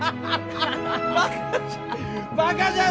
バカじゃ。